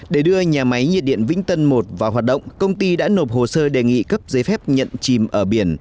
để đưa nhà máy nhiệt điện vĩnh tân một vào hoạt động công ty đã nộp hồ sơ đề nghị cấp giấy phép nhận chìm ở biển